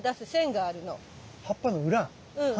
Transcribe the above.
うん。